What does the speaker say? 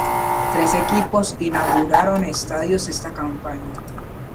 Tres equipos inauguraron estadios esta campaña.